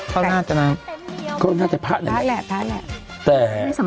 เขาน่าจะนะก็น่าจะพระแหละแต่